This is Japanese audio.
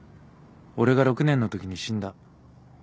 俺が６年のときに死んだ。